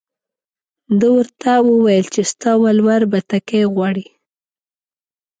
ده ورته وویل چې ستا ولور بتکۍ غواړي.